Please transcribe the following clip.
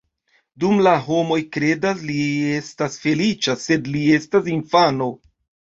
Dum la homo kredas, li estas feliĉa, sed li estas infano.